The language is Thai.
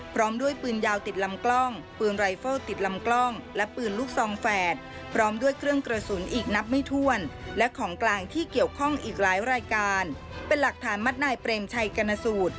เป็นหลักฐานมัดนายเบรมชัยกรณสูตร